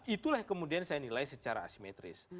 itulah kemudian saya nilai secara asimetris